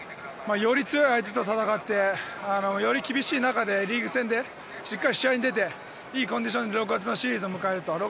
より強い相手と戦ってより厳しい中でリーグ戦でしっかり試合に出ていいコンディションで６月のシリーズを迎えると。